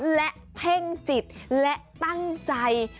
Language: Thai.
และเพ่งจิตและตั้งใจ